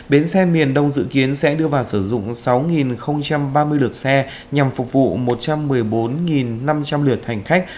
bến xe miền đông dự kiến sẽ đưa vào sử dụng sáu ba mươi lượt xe nhằm phục vụ một trăm một mươi bốn năm trăm linh lượt hành khách